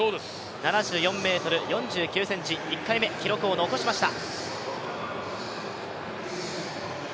７４ｍ４９ｃｍ、１回目、記録を残しました。